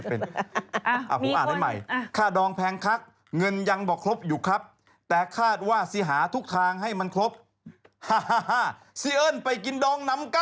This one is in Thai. ตอนนั้นเป็นคุณแม่อยู่ตอนนั้นนานมายังเด็กน้อยมาก